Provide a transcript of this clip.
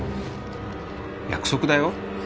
約束だよ。